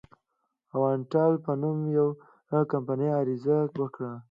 د اوانټل په نوم یوې کمپنۍ عریضه وکړه.